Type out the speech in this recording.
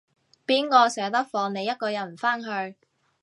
邊個捨得放你一個人返去